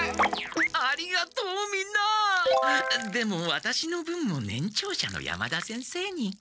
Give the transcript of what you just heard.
ありがとうみんなでもワタシの分も年長者の山田先生に。